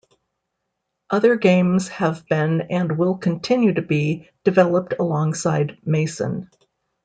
Other games have been and will continue to be developed alongside "Mason".